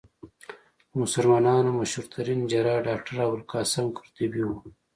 د مسلمانانو مشهورترين جراح ډاکټر ابوالقاسم قرطبي وو.